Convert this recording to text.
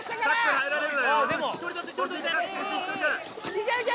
いけいけ